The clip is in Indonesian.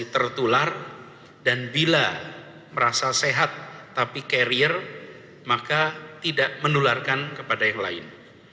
tertular dan bila merasa sehat tapi carrier maka tidak menularkan kepada yang lain